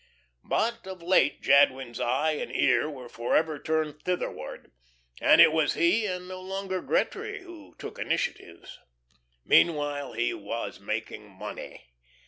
But of late Jadwin's eye and ear were forever turned thitherward, and it was he, and no longer Gretry, who took initiatives. Meanwhile he was making money.